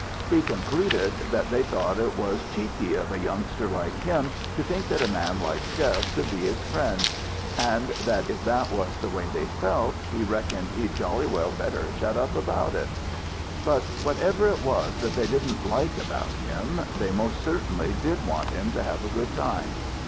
He concluded that they thought it was cheeky of a youngster like him to think that a man like Chev could be his friend; and if that was the way they felt, he reckoned he'd jolly well better shut up about it. But whatever it was that they didn't like about him, they most certainly did want him to have a good time.